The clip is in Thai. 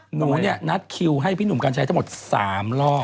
หนูเนี่ยนัดคิวให้พี่หนุ่มกัญชัยทั้งหมด๓รอบ